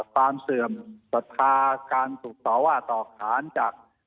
ความเสื่อมตรฐาการถูกสอบว่าต่อขาดจาก